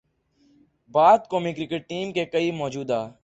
بعد قومی cricket team کے کئی موجودہ